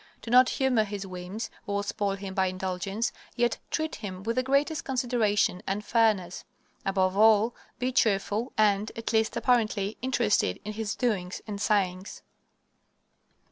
Do not humor his whims, or spoil him by indulgence, yet treat him with the greatest consideration and fairness. Above all, be cheerful and, at least apparently, interested in his doings and sayings.